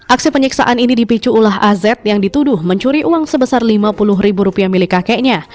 aksi penyiksaan ini dipicu ulah az yang dituduh mencuri uang sebesar lima puluh ribu rupiah milik kakeknya